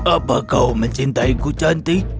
apa kau mencintaiku cantik